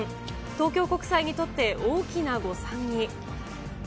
東京国際にとって大きな誤算に。